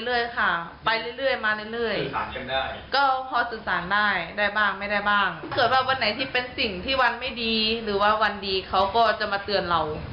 แล้วก็วันไหนที่เป็นสิ่งที่วันไม่ดีหรือว่าวันดีเค้าก็จะมาเตือนเรา